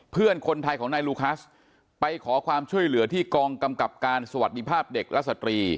เพื่อนคนไทยของนายลูคัสไปขอความช่วยเหลือที่กองกำกับการสวัสดีภาพเด็กและสตรี